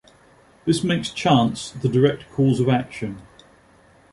This makes chance the direct cause of action.